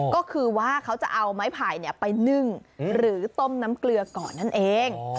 ก็คือว่าเขาจะเอาไม้ไผ่ไปนึ่งหรือต้มน้ำเกลือก่อนนั่นเอง